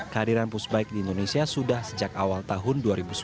kehadiran pushbike di indonesia sudah sejak awal tahun dua ribu sembilan belas